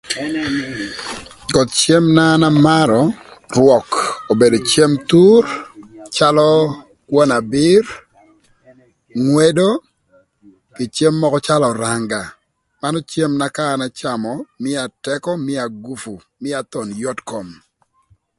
Ënë. Koth cem na an amarö rwök obedo cem thur calö kwon abir, ngwedo, kï cem mökö calö öranga manu cem na ka an acamö mïa tëkö, mïa gupu, mïa thon yot kom.